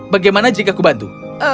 bagaimana jika aku membantu